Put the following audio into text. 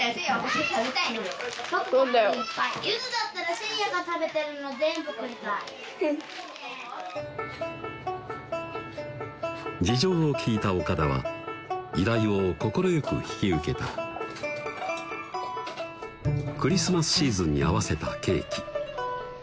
せいやが食べてるの全部食べたい事情を聞いた岡田は依頼を快く引き受けたクリスマスシーズンに合わせたケーキ